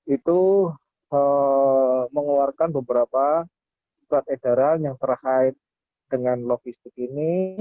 itu mengeluarkan beberapa surat edaran yang terkait dengan logistik ini